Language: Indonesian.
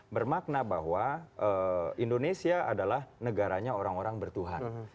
bermakna bahwa indonesia adalah negaranya orang orang bertuhan